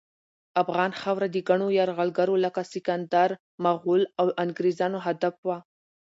افغان خاوره د ګڼو یرغلګرو لکه سکندر، مغل، او انګریزانو هدف وه.